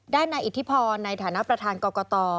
นายอิทธิพรในฐานะประธานกรกต